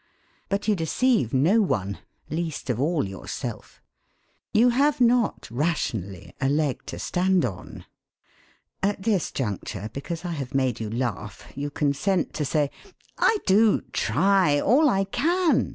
But you deceive no one, least of all yourself. You have not, rationally, a leg to stand on. At this juncture, because I have made you laugh, you consent to say: 'I do try, all I can.